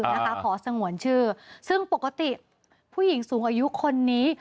นะคะขอสงวนชื่อซึ่งปกติผู้หญิงสูงอายุคนนี้